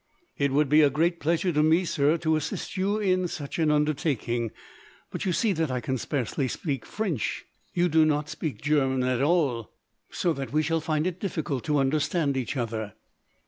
"It would be a great pleasure to me, sir, to assist in such an undertaking; but you see that I can scarcely speak French; you do not speak German at all; so that we shall find it difficult to understand each other."